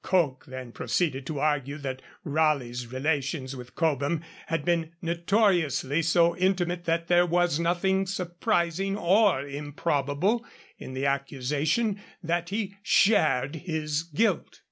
Coke then proceeded to argue that Raleigh's relations with Cobham had been notoriously so intimate that there was nothing surprising or improbable in the accusation that he shared his guilt.